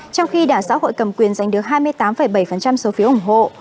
trong khi đảng xã hội cầm quyền giành được hai mươi tám bảy số phiếu ủng hộ